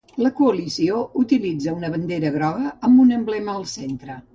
La coalició utilitza una bandera groga amb el seu emblema al centre.